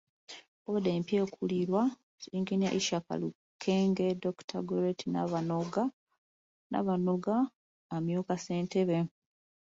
Boodi empya ekulirwa Engineer Ishak Lukenge, Dr. Gorette Nabanoga amyuka Ssentebe.